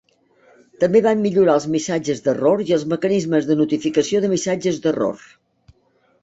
També van millorar els missatges d'error i els mecanismes de notificació de missatges d'error.